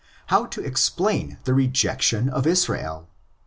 How to explain the rejection of Israel?